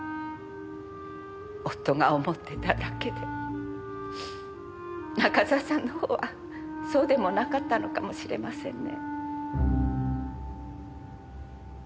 夫が思ってただけで中沢さんの方はそうでもなかったのかもしれませんね。